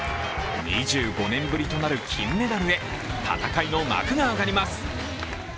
２５年ぶりとなる金メダルへ、戦いの幕が上がります。